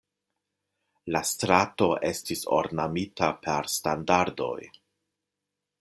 La strato estis ornamita per standardoj.